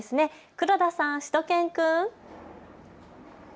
黒田さん、しゅと犬くん。